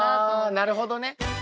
あなるほどね。